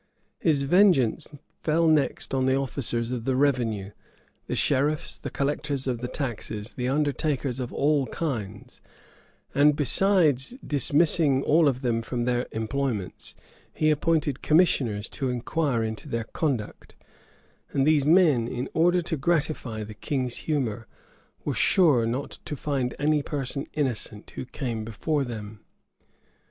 [*] His vengeance fell next on the officers of the revenue, the sheriffs, the collectors of the taxes, the undertakers of all kinds; and besides dismissing all of them from their employments, he appointed commissioners to inquire into their conduct; and these men, in order to gratify the king's humor, were sure not to find any person innocent who came before them.